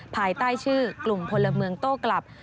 ภายใต้ชื่อกลุ่มพลเมืองโต้กลับ